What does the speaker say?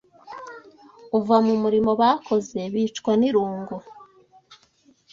uva mu murimo bakoze bicwa n’irungu